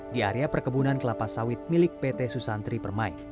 di area perkebunan kelapa sawit milik pt susantri permai